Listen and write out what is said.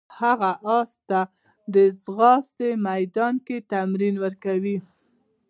هغه اس ته د ځغاستې میدان کې تمرین ورکاوه.